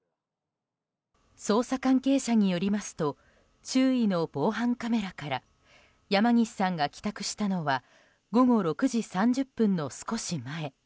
捜査関係者によりますと周囲の防犯カメラから山岸さんが帰宅したのは午後６時３０分の少し前。